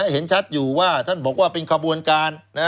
เห็นชัดอยู่ว่าท่านบอกว่าเป็นขบวนการ